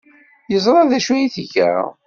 Yeẓra d acu ay tga?